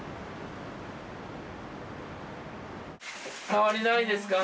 変わりないですか？